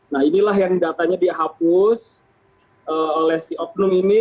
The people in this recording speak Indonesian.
nah inilah yang datanya dihapus oleh si oknum ini